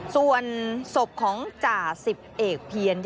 ส่วนศพของจ่าสิบเอกเพียร